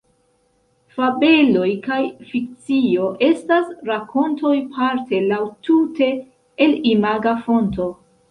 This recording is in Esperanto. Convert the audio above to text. Fabeloj kaj fikcio estas rakontoj parte aŭ tute el imaga fonto.